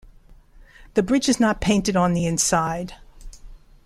The bridge is not painted on the inside.